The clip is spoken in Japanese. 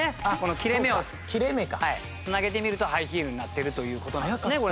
切れ目を繋げて見るとハイヒールになってるという事なんですね